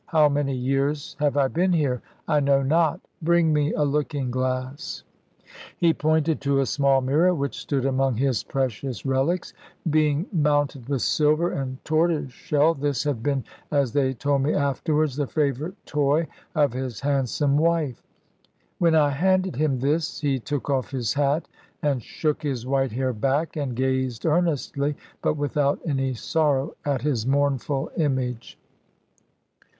How many years have I been here? I know not. Bring me a looking glass." He pointed to a small mirror which stood among his precious relics. Being mounted with silver and tortoise shell, this had been (as they told me afterwards) the favourite toy of his handsome wife. When I handed him this, he took off his hat, and shook his white hair back, and gazed earnestly, but without any sorrow, at his mournful image.